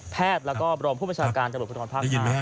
แพทย์แล้วก็รองผู้บัญชาการกระบวนพลังภาคภาค